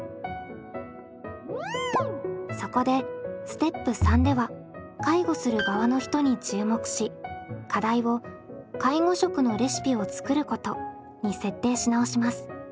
そこでステップ３では介護する側の人に注目し課題を介護食のレシピを作ることに設定し直します。